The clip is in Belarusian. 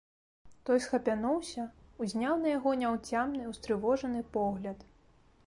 Той схапянуўся, узняў на яго няўцямны, устрывожаны погляд.